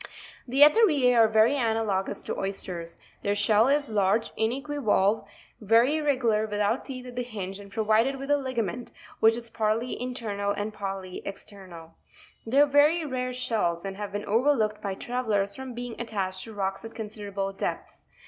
' 14. The Etheria are very analogous to oysters: their shell is large, inequivalve, very irregular, without teeth at the hinge and provided with a ligament, which is partly internal and partly external. They are very rare shells, and have been overlooked by travellers from being attached to rocks at considerable depths.